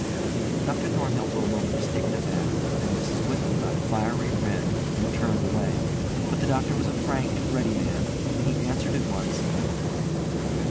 Dr. Thornhill for a moment was taken aback, and Mrs. Witham got fiery red and turned away; but the doctor was a frank and ready man, and he answered at once and openly.